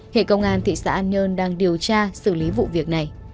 hệ công an thị xã an nhơn đang điều tra xử lý vụ việc này